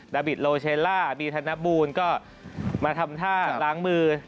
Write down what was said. บิดโลเชลล่าบีธนบูลก็มาทำท่าล้างมือ